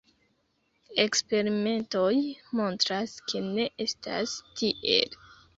Eksperimentoj montras ke ne estas tiel.